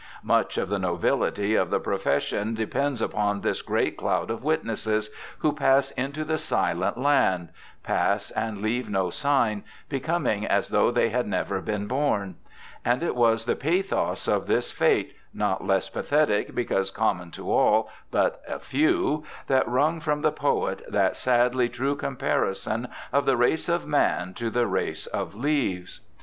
Much of the nobility of the profession depends upon this great cloud of witnesses, who pass into the silent land— pass, and leave no sign, becoming as though they had never been born. And it was the pathos of this fate, not less pathetic because common to all but a few, that wrung from the poet that sadly true comparison of the race of man to the race of leaves !